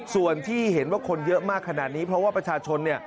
ส่วนที่เห็นว่าคนเยอะมากขนาดนี้เพราะว่าประชาชนเนี่ย